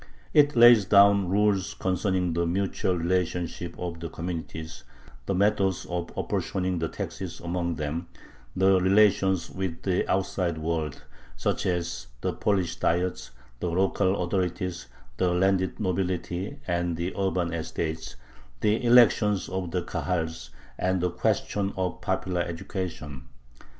It lays down rules concerning the mutual relationship of the communities, the methods of apportioning the taxes among them, the relations with the outside world (such as the Polish Diets, the local authorities, the landed nobility, and the urban estates), the elections of the Kahals, and the question of popular education.